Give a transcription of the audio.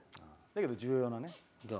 だけど重要なね。